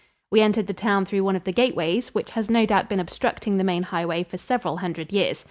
We entered the town through one of the gateways, which has no doubt been obstructing the main highway for several hundred years.